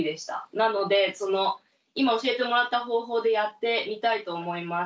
なので今教えてもらった方法でやってみたいと思います。